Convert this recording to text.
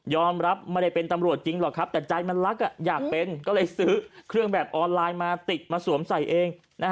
รับไม่ได้เป็นตำรวจจริงหรอกครับแต่ใจมันรักอยากเป็นก็เลยซื้อเครื่องแบบออนไลน์มาติดมาสวมใส่เอง